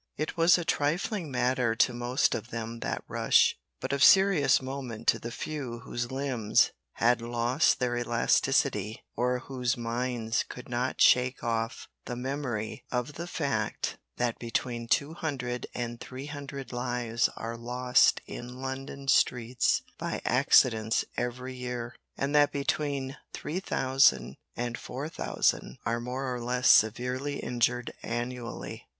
It was a trifling matter to most of them that rush, but of serious moment to the few whose limbs had lost their elasticity, or whose minds could not shake off the memory of the fact that between 200 and 300 lives are lost in London streets by accidents every year, and that between 3000 and 4000 are more or less severely injured annually.